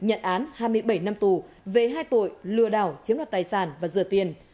án hai mươi bảy năm tù về hai tội lừa đảo chiếm mặt tài sản và dừa tiền